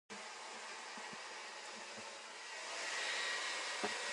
看天食飯